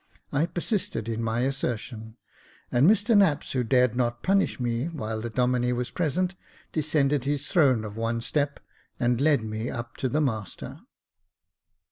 I persisted in my assertion ; and Mr Knapps, who dared not punish me while the Domine was present, descended his throne of one step, and led me up to the master.